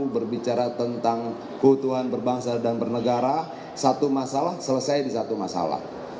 berbicara tentang keutuhan berbangsa dan bernegara satu masalah selesai di satu masalah